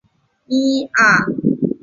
又派元行钦杀死刘仁恭的其他儿子们。